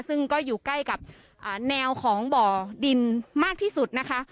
ซึ่งก็อยู่ใกล้กับแนวของบ่อดินมากที่สุดนะคะ